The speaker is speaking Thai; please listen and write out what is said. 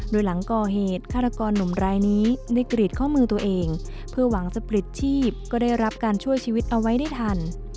โดยหลังก่อเหตุฆาตกรหนุ่มรายนี้ได้กรีดข้อมือตัวเองเพื่อหวังจะปลิดชีพก็ได้รับการช่วยชีวิตเอาไว้ได้ทัน